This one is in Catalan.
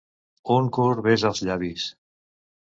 Un curt bes als llavis.